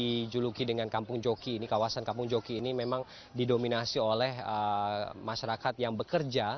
dijuluki dengan kampung joki ini kawasan kampung joki ini memang didominasi oleh masyarakat yang bekerja